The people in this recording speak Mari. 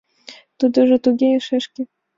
Тудыжо туге, шешке.